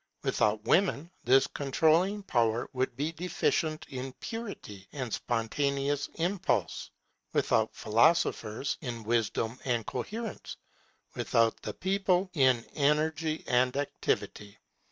Without women this controlling power would be deficient in purity and spontaneous impulse; without philosophers, in wisdom and coherence; without the people, in energy and activity.